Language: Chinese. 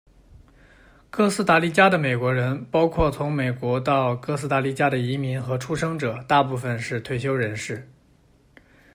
哥斯达黎加的美国人，包括从美国到哥斯达黎加的移民和出生者，大部分是退休人士。